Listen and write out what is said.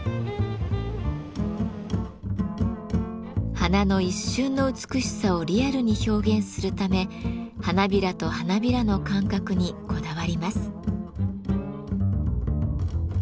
花の一瞬の美しさをリアルに表現するため花びらと花びらの間隔にこだわります。